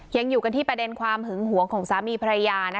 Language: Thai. ยังอยู่กันที่ประเด็นความหึงหวงของสามีภรรยา